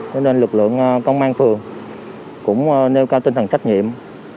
cho nên lực lượng công an phường cũng nêu cao tinh thần trách nhiệm